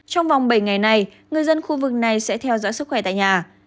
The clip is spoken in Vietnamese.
trong vòng bảy ngày này người dân khu vực này sẽ theo dõi sức khỏe tại nhà